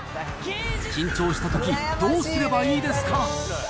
緊張したとき、どうすればいいですか。